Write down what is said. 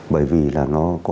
bởi vì là nó có